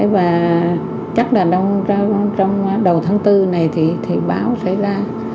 và chắc là trong đầu tháng bốn này thì báo xảy ra